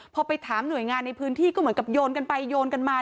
พอไปถามหน่วยงานในพื้นที่ก็เหมือนกับโยนกันไปโยนกันมา